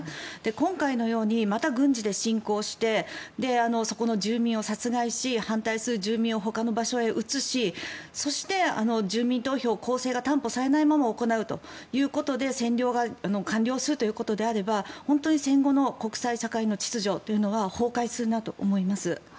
今回のようにまた軍事で侵攻してそこの住民を殺害し反対する住民をほかの場所に移しそして住民投票を公正が担保されないまま行うということで、占領が完了するということであれば本当に戦後の国際社会の秩序というのは崩壊するなと思います。